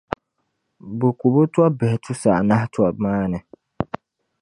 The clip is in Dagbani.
bɛ ku bɛ tɔbbihi tusa anahi tɔb’ maa ni.